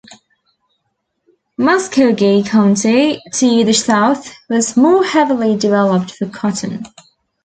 Muscogee County, to the south, was more heavily developed for cotton.